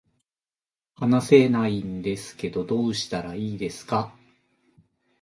話せないんですけどどうしたらいいですか